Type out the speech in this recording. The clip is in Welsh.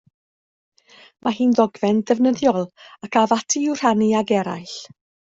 Mae hi'n ddogfen ddefnyddiol, ac af ati i'w rhannu ag eraill.